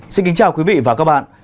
xin kính chào quý vị và các bạn